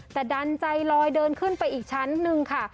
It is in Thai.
แต่ดันใจลอยเดินขึ้นไปอีกชั้นหนึ่งค่ะ